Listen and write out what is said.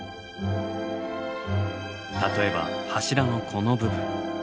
例えば柱のこの部分。